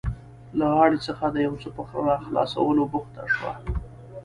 له غاړې څخه د یو څه په راخلاصولو بوخته شوه.